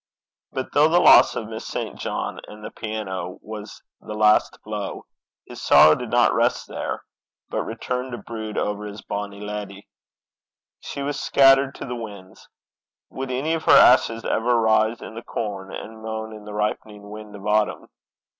But though the loss of Miss St. John and the piano was the last blow, his sorrow did not rest there, but returned to brood over his bonny lady. She was scattered to the winds. Would any of her ashes ever rise in the corn, and moan in the ripening wind of autumn?